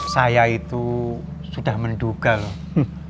saya itu sudah menduga loh